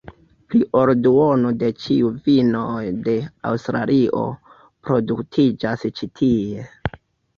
Pli ol duono de ĉiuj vinoj de Aŭstralio produktiĝas ĉi tie.